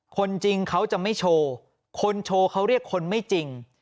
คนจริงเขาจะไม่โชว์คนโชว์เขาเรียกคนไม่จริง